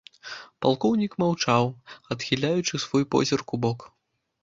Палкоўнік маўчаў, адхіляючы свой позірк убок.